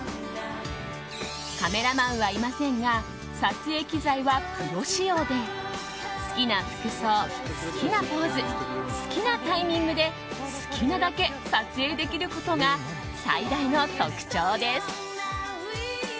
カメラマンはいませんが撮影機材はプロ仕様で好きな服装、好きなポーズ好きなタイミングで好きなだけ撮影できることが最大の特徴です。